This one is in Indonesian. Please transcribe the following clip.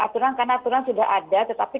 aturan karena aturan sudah ada tetapi